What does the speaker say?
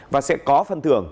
và sẽ có phân thưởng